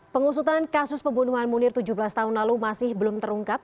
pengusutan kasus pembunuhan munir tujuh belas tahun lalu masih belum terungkap